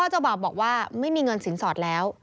เจ้าบ่าวบอกว่าไม่มีเงินสินสอดแล้ว